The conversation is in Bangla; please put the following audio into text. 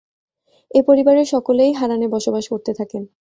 এ পরিবারের সকলেই হারানে বসবাস করতে থাকেন।